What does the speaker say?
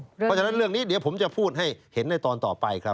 เพราะฉะนั้นเรื่องนี้เดี๋ยวผมจะพูดให้เห็นในตอนต่อไปครับ